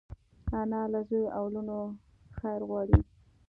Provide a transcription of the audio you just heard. انا له زوی او لوڼو خیر غواړي